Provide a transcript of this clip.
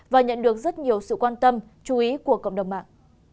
và nhận được rất nhiều sự quan tâm chú ý của các bạn